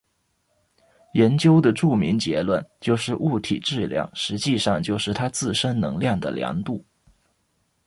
研究的著名结论就是物体质量实际上就是它自身能量的量度。